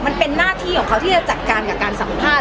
มันเป็นหน้าที่ของเขาที่จะจัดการกับการสัมภาษณ